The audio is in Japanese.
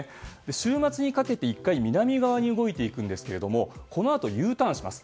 週末にかけて１回、南側に動いていくんですがこのあとＵターンします。